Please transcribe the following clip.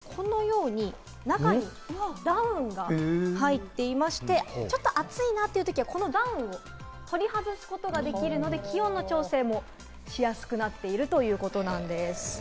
そしてこちらのコート、一見、普通のデザインに見えるんですが、このように中にダウンが入っていまして、ちょっと暑いなってときは、このダウンも取り外すことができるので、気温の調整もしやすくなっているということなんです。